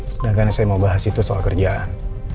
sedangkan yang saya mau bahas itu soal kerjaan